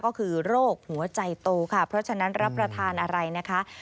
ก็คือโรคหัวใจโตค่ะเพราะฉะนั้นรับประทานอะไรนะคะ